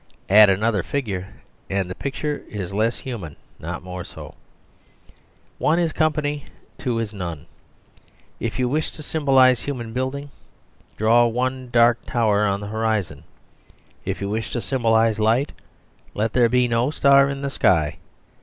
Add another figure and the picture is less human not more so. One is company, two is none. If you wish to symbolise human building draw one dark tower on the horizon; if you wish to symbolise light let there be no star in the sky.